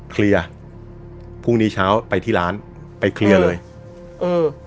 เคลียร์พรุ่งนี้เช้าไปที่ร้านไปเคลียร์เลยเออ